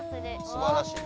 すばらしい。